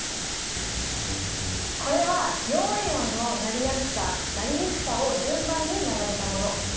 これは陽イオンのなりやすさなりにくさを順番に並べたもの。